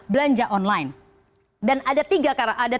belanja online dan ada